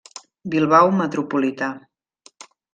Bilbao metropolità.